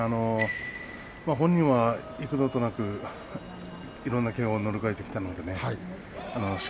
本人は幾度となくいろんなけがを乗り越えてきたのでね